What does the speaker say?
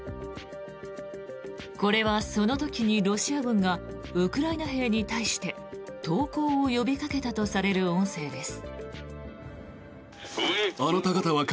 これは、その時にロシア軍がウクライナ兵に対して投降を呼びかけたとされる音声です。